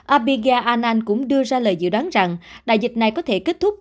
abhigya anand cũng đưa ra lời dự đoán rằng đại dịch này có thể kết thúc